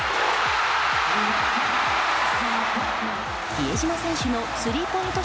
比江島選手のスリーポイント